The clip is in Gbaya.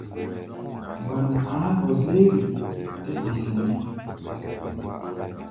Gbanu a̧á̧ kɔ-zérʼi? tɛ́ be sɛnɛ́.